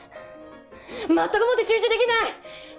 全くもって集中できない。